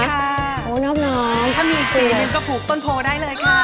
สวัสดีค่ะถ้ามีอีกสินก็ถูกต้นโพลได้เลยค่ะ